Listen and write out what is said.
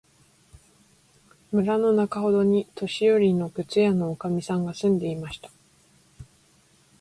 村のなかほどに、年よりの靴屋のおかみさんが住んでいました。